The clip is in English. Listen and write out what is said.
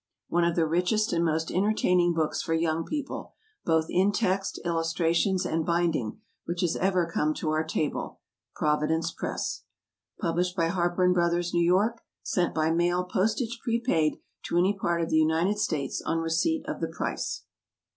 _ One of the richest and most entertaining books for young people, both in text, illustrations, and binding, which has ever come to our table. Providence Press. Published by HARPER & BROTHERS, N. Y. _Sent by mail, postage prepaid, to any part of the United States, on receipt of the price.